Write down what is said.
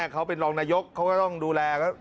เขาเป็นรองนายกเขาก็ต้องดูแล